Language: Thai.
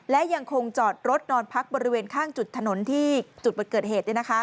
และยังคงจอดรถนอนพักบริเวณข้างจุดถนนที่จุดเกิดเหตุ